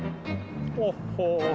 ほっほ。